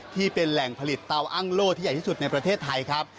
ที่เป็นแหล่งผลิตเตาอ้างโล่ที่ใหญ่ที่สุดในประเทศไทยครับ